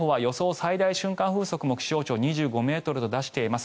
最大瞬間風速も気象庁は２５ｍと出しています。